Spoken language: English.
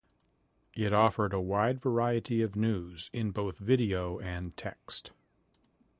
It offered a wide variety of news in both video and text.